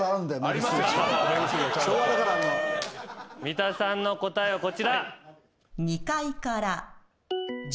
三田さんの答えはこちら。